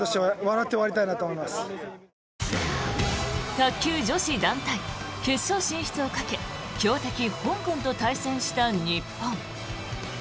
卓球女子団体決勝進出をかけ強敵・香港と対戦した日本。